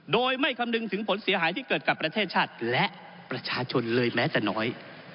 โดยไม่คำนึงถึงผลเสียหายที่เกิดกับประเทศชาติและประชาชนเลยแม้แต่น้อย